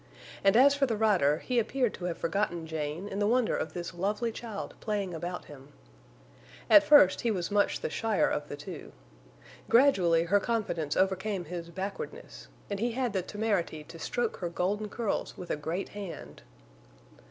And as for the rider, he appeared to have forgotten Jane in the wonder of this lovely child playing about him. At first he was much the shyer of the two. Gradually her confidence overcame his backwardness, and he had the temerity to stroke her golden curls with a great hand.